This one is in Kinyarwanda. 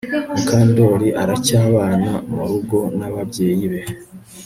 Mukandoli aracyabana murugo nababyeyi be